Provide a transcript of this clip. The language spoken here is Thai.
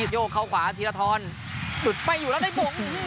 โยกเข้าขวาธีรทรหลุดไม่อยู่แล้วได้บง